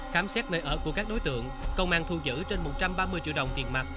khám xét nơi ở của các đối tượng công an thu giữ trên một trăm ba mươi triệu đồng tiền mặt